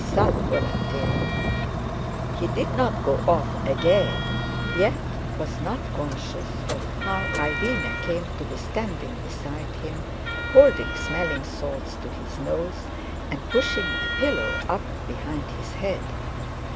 Sal volatile!" He did not go off again, yet was not conscious of how Irene came to be standing beside him, holding smelling salts to his nose, and pushing a pillow up behind his head.